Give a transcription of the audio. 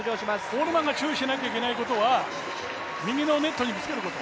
オールマンが注意しないといけないのは右のネットにぶつけること。